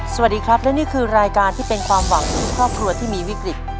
สวัสดีครับและนี่คือรายการที่เป็นความหวังของทุกครอบครัวที่มีวิกฤต